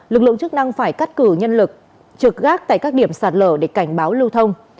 lực lượng chức năng phải cắt cử nhân lực trực gác tại các điểm sạt lở để cảnh báo lưu thông